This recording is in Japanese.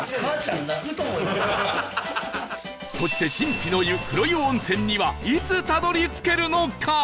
そして神秘の湯黒湯温泉にはいつたどり着けるのか？